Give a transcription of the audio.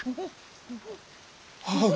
母上。